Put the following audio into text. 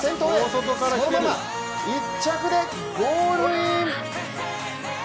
そのまま１着でゴールイン！